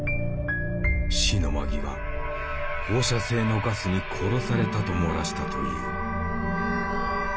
死の間際「放射性のガスに殺された」と漏らしたという。